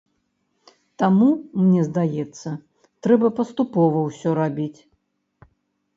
Таму, мне здаецца, трэба паступова ўсё рабіць.